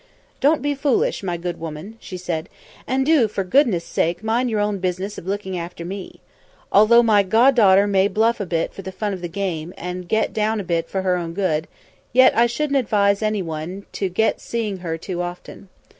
"Don't be foolish, my good woman," she said, "and do for goodness' sake mind your business of looking after me. Although my god daughter may bluff a bit for the fun of the game, and get let down a bit for her own good, yet I shouldn't advise anyone to get seeing her too often.